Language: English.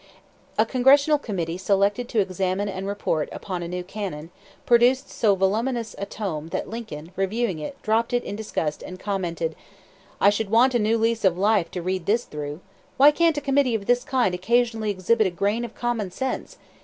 A Congressional committee selected to examine and report upon a new cannon, produced so voluminous a tome that Lincoln, reviewing it, dropped it in disgust and commented: "I should want a new lease of life to read this through! Why can't a committee of this kind occasionally exhibit a grain of common sense?